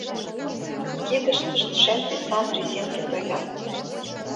Кидыштышт шем тӱсан резинке тоя.